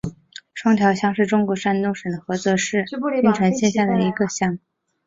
双桥乡是中国山东省菏泽市郓城县下辖的一个乡。